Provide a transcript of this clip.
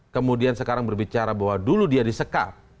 kemudian sekarang berbicara bahwa dulu dia di sekap